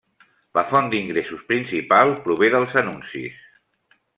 La font d'ingressos principal prové dels anuncis.